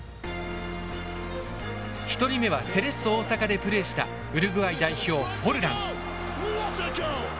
１人目はセレッソ大阪でプレーしたウルグアイ代表フォルラン。